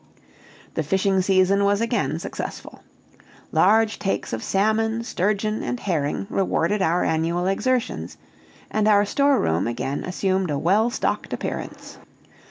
The fishing season was again successful. Large takes of salmon, sturgeon, and herring rewarded our annual exertions, and our storeroom again assumed a well stocked appearance.